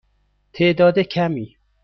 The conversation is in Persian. تعداد کمی.